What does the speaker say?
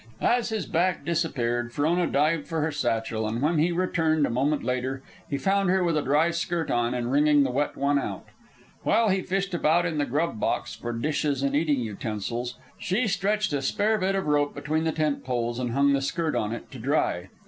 As his back disappeared, Frona dived for her satchel, and when he returned a moment later he found her with a dry skirt on and wringing the wet one out. While he fished about in the grub box for dishes and eating utensils, she stretched a spare bit of rope between the tent poles and hung the skirt on it to dry.